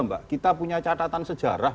mbak kita punya catatan sejarah